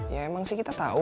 ya emang sih kita tahu